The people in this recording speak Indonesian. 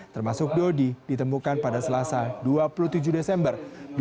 termasuk dodi ditemukan pada selasa dua puluh tujuh desember dua ribu dua puluh